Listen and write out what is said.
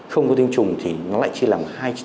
không có tinh trùng thì nó lại chia làm